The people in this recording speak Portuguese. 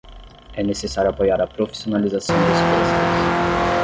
É necessário apoiar a profissionalização dos clusters.